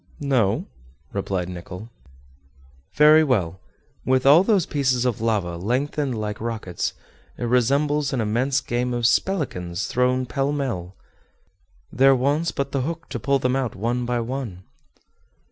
"No," replied Nicholl. "Very well; with all those pieces of lava lengthened like rockets, it resembles an immense game of spelikans thrown pellmell. There wants but the hook to pull them out one by one."